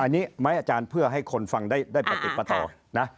อันนี้ไหมอาจารย์เพื่อให้คนฟังได้ประติดประต่อนะ